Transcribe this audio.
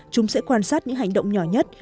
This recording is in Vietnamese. chúng sẽ quan sát những hành động nhỏ nhất